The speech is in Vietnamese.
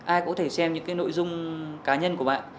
ai cũng có thể xem những cái nội dung cá nhân của bạn